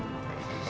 kamu akan berjaya